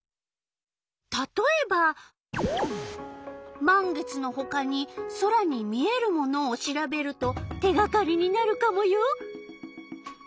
たとえば満月のほかに空に見えるものを調べると手がかりになるカモよ。